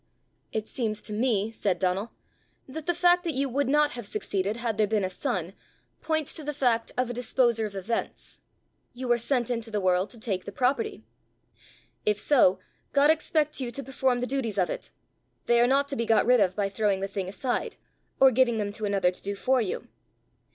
"It seems to me," said Donal, "that the fact that you would not have succeeded had there been a son, points to the fact of a disposer of events: you were sent into the world to take the property. If so, God expects you to perform the duties of it; they are not to be got rid of by throwing the thing aside, or giving them to another to do for you.